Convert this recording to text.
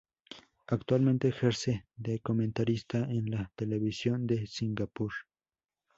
Actualmente ejerce de comentarista en la televisión de Singapur.